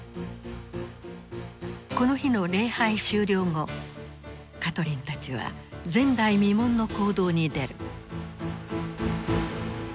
この日の礼拝終了後カトリンたちは前代未聞の行動に出る。